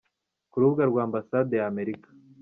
ku rubuga rwa Ambasade ya Amerika.